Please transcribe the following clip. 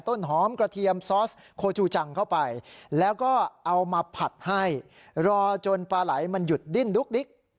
ต้นหอมกระเทียมซอสโคจูจังเข้าไปแล้วก็เอามาผัดให้รอจนปลาไหลมันหยุดดิ้นดุ๊กดิ๊ก